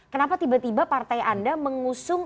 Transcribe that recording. kenapa tiba tiba partai anda mengusung